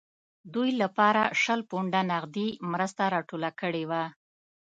دوی لپاره شل پونډه نغدي مرسته راټوله کړې وه.